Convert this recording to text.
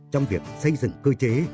trong việc xây dựng cơ chế